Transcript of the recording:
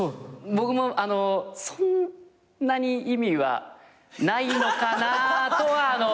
僕もそんなに意味はないのかなとは。